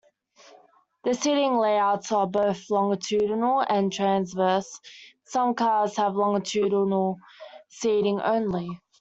The seating layouts are both longitudinal and transverse; some cars have longitudinal seating only.